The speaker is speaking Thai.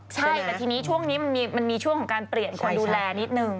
ใช่แต่ทีนี้ช่วงนี้มันมีช่วงของการเปลี่ยนคนดูแลนิดนึง